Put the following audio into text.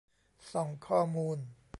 ส่องข้อมูล